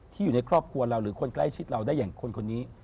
อยู่ในครอบครัวเราหรือคนใกล้ชิดเราได้อย่างคนนี้